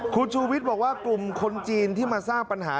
คุณชูวิทย์บอกว่ากลุ่มคนจีนที่มาสร้างปัญหา